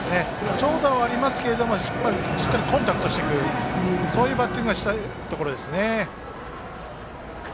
長打はありますけれどもしっかりコンタクトしていくバッティングをしたいところです。